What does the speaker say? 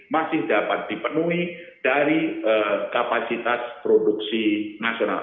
masih dapat dipenuhi dari kapasitas produksi nasional